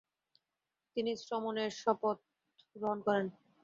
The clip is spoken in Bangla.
তিনি শ্রমণেরর শপথ গ্রহণ করেন।